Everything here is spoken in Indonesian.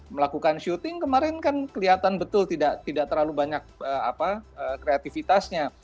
melakukan syuting kemarin kan kelihatan betul tidak terlalu banyak kreatifitasnya